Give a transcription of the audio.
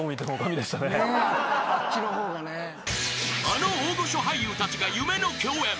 ［あの大御所俳優たちが夢の競演。